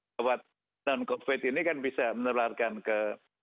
rawat non covid ini kan bisa menelarkan ke rumah sakit